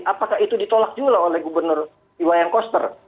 apakah itu ditolak juga oleh gubernur iwayang koster